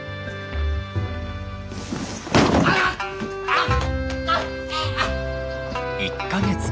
あっ！